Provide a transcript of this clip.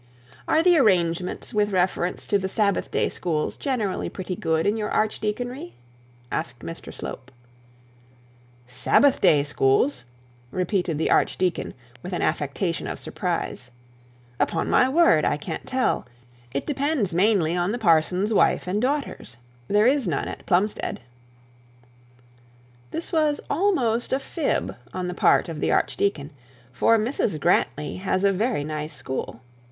'Are the arrangements with reference to the Sabbath day schools generally pretty good in your archdeaconry?' 'Sabbath day schools!' repeated the archdeacon with an affectation of surprise. 'Upon my word, I can't tell; it depends mainly on the parson's wife and daughters. There is none at Plumstead.' This was almost a fib on the part of the Archdeacon, for Mrs Grantly has a very nice school.